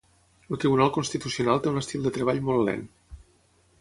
El Tribunal Constitucional té un estil de treball molt lent.